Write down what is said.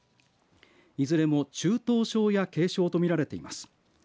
いずれも中等症や軽症と見られています。